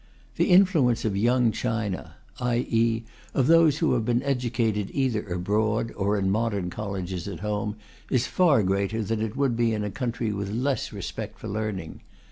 The influence of Young China i.e. of those who have been educated either abroad or in modern colleges at home is far greater than it would be in a country with less respect for learning.